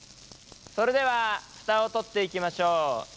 それではフタを取っていきましょう。